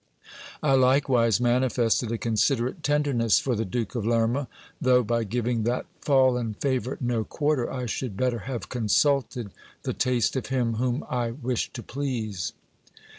I likewise manifested a considerate tender ness for the Duke of Lerma ; though by giving that fallen favourite no quarter, I should better have consulted the taste of him whom I wished to please.